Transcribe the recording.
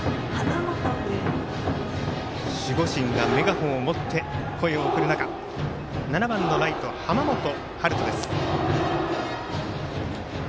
守護神がメガホンを持って声を送る中７番のライト、濱本遥大です。